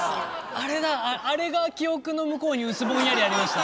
あれだあれが記憶の向こうに薄ぼんやりありました。